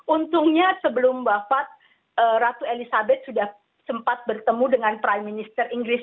untungnya sebelum wafat ratu elizabeth sudah sempat bertemu dengan prime minister inggris